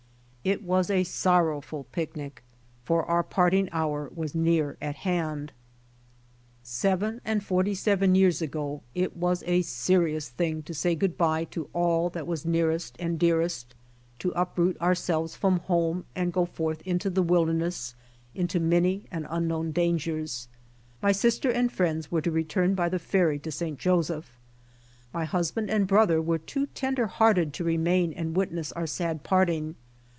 It was a sorrowful picnic, for our parting hour was near at hand. Seven and forty years ago it was a serious thing to say good bye to all that was nearest and dearest, to uproot ourselves from home and go forth into the wilderness into many and unknown dangers. My sister and friends were to return by the ferry to St. Joseph. My husband and brother were too tender hearted to remain and witness our sad part ing.